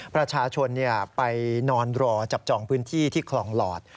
ประชาชนไปนอนรอจับจองพื้นที่ที่คลองหลอด